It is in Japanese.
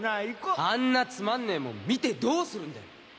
行こあんなつまんねえもん見てどうするんだよ